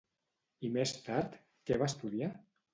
I més tard, què va estudiar?